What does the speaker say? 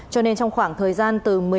cho nên trong khoảng thời gian từ